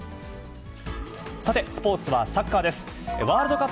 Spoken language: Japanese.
さて、スポーツはサッカーです。